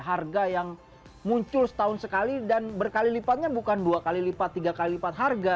harga yang muncul setahun sekali dan berkali lipatnya bukan dua kali lipat tiga kali lipat harga